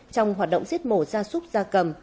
trong hoạt động giết mổ gia súc gia cầm